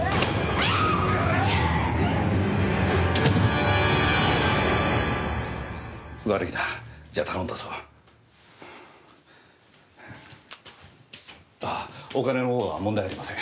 ああお金のほうは問題ありません。